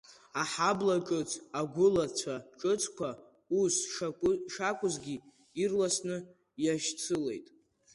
Аҳабла ҿыц, агәылацәа ҿыцқәа, ус шакәызгьы ирласны иашьцылеит.